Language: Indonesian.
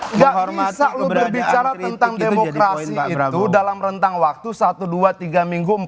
nggak bisa loh berbicara tentang demokrasi itu dalam rentang waktu satu dua tiga minggu